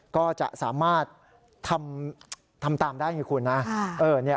ก็จะสามารถทำตามได้ไงคุณนะ